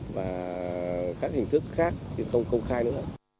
và các hình thức khác thì không công khai nữa